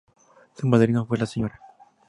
Su madrina fue la Sra.